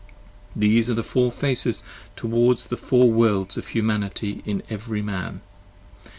These are the four Faces towards the Four Worlds of Humanity In every Man.